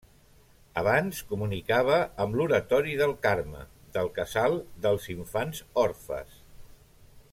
Abans comunicava amb l'oratori del Carme, del casal dels Infants Orfes.